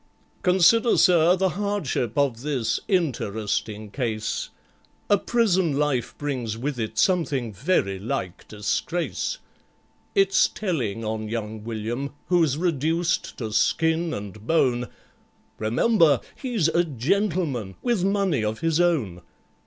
"Consider, sir, the hardship of this interesting case: A prison life brings with it something very like disgrace; It's telling on young WILLIAM, who's reduced to skin and bone— Remember he's a gentleman, with money of his own.